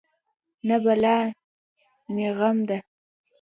نه بلا مې غم ده.